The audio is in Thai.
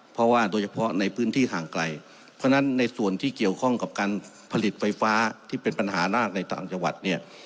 เพราะว่าโดยเฉพาะในพื้นที่ห่างไกลเพราะฉะนั้นในส่วนที่เกี่ยวข้องกับการผลิตไฟฟ้าที่เป็นปัญหามากในต่างจังหวัดเนี่ย